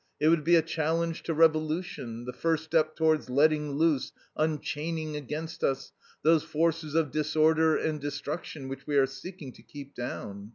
It would be a challenge to revolution, the first step towards letting loose, unchaining against us, those forces of disorder and destruction which we are seeking to keep down.